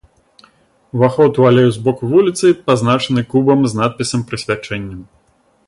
Уваход у алею з боку вуліцы пазначаны кубам з надпісам-прысвячэннем.